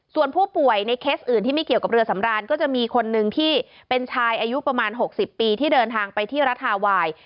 ส่วนผู้ป่วยในเคสอื่นที่ไม่เกี่ยวกับเรือสำรานก็จะมีคนหนึ่งที่เป็นชายอายุประมาณ๖๐ปีที่เดินทางไปที่รัฐฮาไวน์